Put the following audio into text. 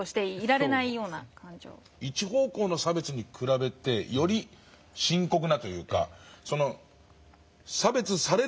一方向の差別に比べてより深刻なというか